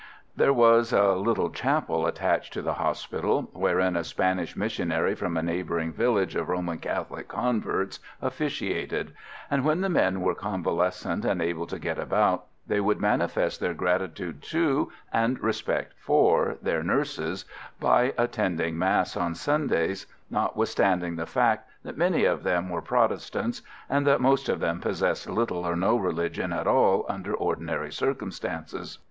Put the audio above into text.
There was a little chapel attached to the hospital, wherein a Spanish missionary from a neighbouring village of Roman Catholic converts officiated; and when the men were convalescent and able to get about, they would manifest their gratitude to, and respect for, their nurses by attending mass on Sundays, notwithstanding the fact that many of them were Protestants, and that most of them possessed little or no religion at all under ordinary circumstances.